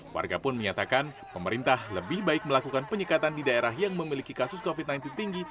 warga pun menyatakan pemerintah lebih baik melakukan penyekatan di daerah yang memiliki kasus covid sembilan belas tinggi